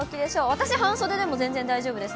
私、半袖でも全然大丈夫です。